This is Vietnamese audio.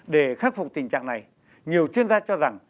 để khắc phục tình trạng này nhiều chuyên gia cho rằng